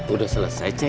udah selesai cek